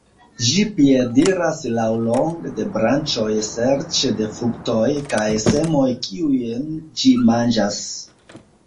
Ĝi piediras laŭlonge de branĉoj serĉe de fruktoj kaj semoj kiujn ĝi manĝas.